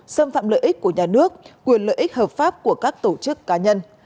xâm phạm lợi ích của nhà nước quyền lợi ích hợp pháp của các tổ chức cá nhân